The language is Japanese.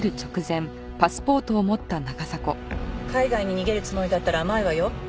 海外に逃げるつもりだったら甘いわよ。